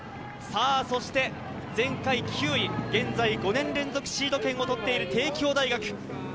そして前回９位、現在５年連続シード権を持ってる帝京大学。